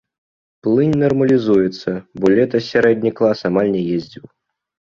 Плынь нармалізуецца, бо летась сярэдні клас амаль не ездзіў.